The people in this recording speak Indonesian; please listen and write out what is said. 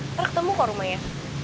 ntar ketemu kok rumahnya